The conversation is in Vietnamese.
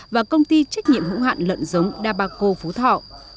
và công ty trách nhiệm ủng hoạn lợn giống dabaco phú thọ